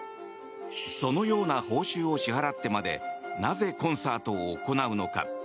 そのような報酬を支払ってまでなぜコンサートを行うのか。